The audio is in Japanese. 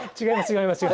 違います！